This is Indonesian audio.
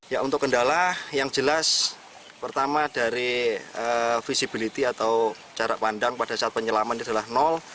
ya untuk kendala yang jelas pertama dari visibility atau jarak pandang pada saat penyelaman adalah nol